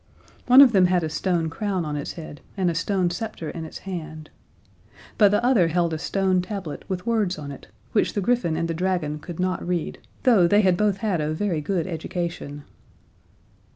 One of them had a stone crown on its head and a stone scepter in its hand; but the other held a stone tablet with words on it, which the griffin and the dragon could not read, though they had both had a very good education.